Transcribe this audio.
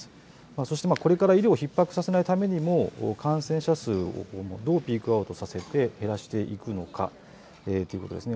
そして、これから医療をひっ迫させないためにも、感染者数をどうピークアウトさせて、減らしていくのかということですね。